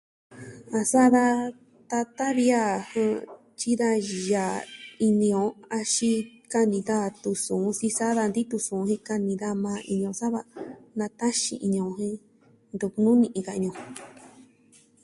A sa'a da tatan vi a, ɨjɨn, tyi'i da yaa ini on axin kani daja tusuun sisaa daja nti'in tusuun jen kani daja majan ini o sa va nataxiin ini on jen ntu nuni'in ka ini o.